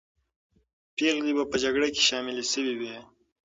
پېغلې به په جګړه کې شاملې سوې وې.